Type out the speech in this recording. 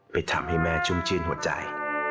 ทำให้แม่ชุ่มชื่นหัวใจ